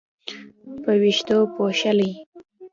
په وېښتو پوښلې